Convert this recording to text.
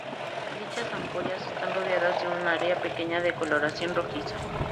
Dichas ampollas están rodeadas de un área pequeña de coloración rojiza.